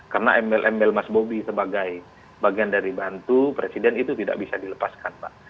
karena embel embel mas bobi sebagai bagian dari bantu presiden itu tidak bisa dilepaskan pak